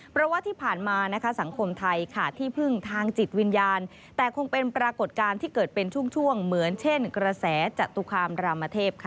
เพราะว่าที่ผ่านมานะคะสังคมไทยค่ะที่พึ่งทางจิตวิญญาณแต่คงเป็นปรากฏการณ์ที่เกิดเป็นช่วงเหมือนเช่นกระแสจตุคามรามเทพค่ะ